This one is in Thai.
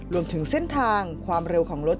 รวมถึงเส้นทางความเร็วของรถ